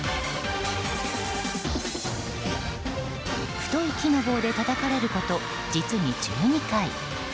太い木の棒でたたかれること実に１２回。